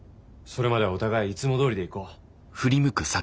それまではお互いいつもどおりでいこう。